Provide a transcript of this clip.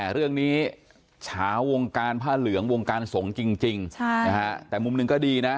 เรื่องนี้เฉาวงการผ้าเหลืองวงการสงฆ์จริงแต่มุมหนึ่งก็ดีนะ